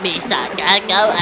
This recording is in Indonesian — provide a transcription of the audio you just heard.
bisakah kau lakukan